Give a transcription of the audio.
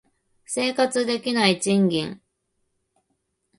生活できない賃金